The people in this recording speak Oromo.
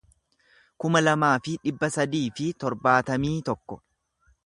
kuma lamaa fi dhibba sadii fi torbaatamii tokko